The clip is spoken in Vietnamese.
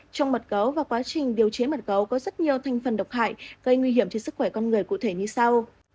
trong mật gấu và quá trình điều chế mật gấu có rất nhiều thành phần độc hại gây nguy hiểm cho sức khỏe con người cụ thể như sau